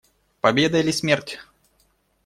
Победа или смерть.